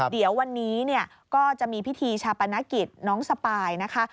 เดี๋ยววันนี้ก็จะมีพิธีชาปนกิจน้องสปายนะคะ